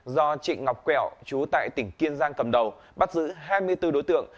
do trịnh ngọc quẹo chú tại tỉnh kiên giang cầm đầu bắt giữ hai mươi bốn đối tượng